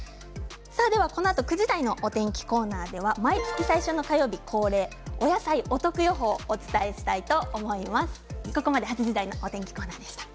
このあと９時台のお天気コーナーでは毎月最初の火曜日恒例お野菜お得予報をお伝えします。